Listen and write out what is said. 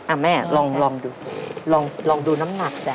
อ่ะแม่ลองดูลองดูน้ำหนักจ้